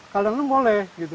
kadang kadang boleh gitu